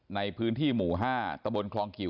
ในพื้นที่หมู่๕ตะบนคลองกิว